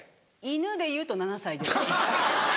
犬でいうと７歳です。